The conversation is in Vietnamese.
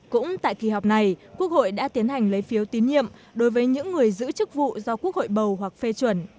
cũng tại kỳ họp này quốc hội đã tiến hành lấy phiếu tín nhiệm đối với những người giữ chức vụ do quốc hội bầu hoặc phê chuẩn